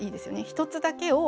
一つだけを。